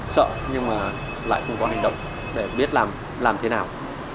sợ nhưng mà lại không có hành động để biết làm thế nào